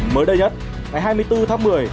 mới đây nhất ngày hai mươi bốn tháng một mươi